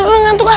lo ngantuk lah